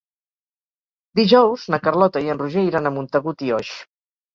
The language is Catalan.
Dijous na Carlota i en Roger iran a Montagut i Oix.